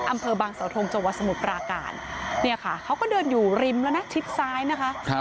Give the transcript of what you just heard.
อำเภอบางสาวทงจังหวัดสมุทรปราการเนี่ยค่ะเขาก็เดินอยู่ริมแล้วนะชิดซ้ายนะคะ